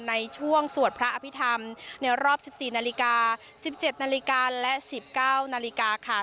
สวดพระอภิษฐรรมในรอบ๑๔นาฬิกา๑๗นาฬิกาและ๑๙นาฬิกาค่ะ